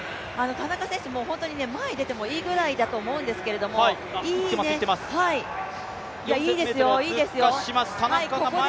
田中選手、前に出てもいいぐらいだと思うんですけどいいですよ、いいですよ。